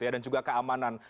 dan juga keamanan